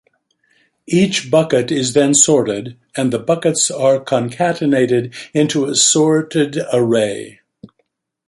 Each "bucket" is then sorted, and the "buckets" are concatenated into a sorted array.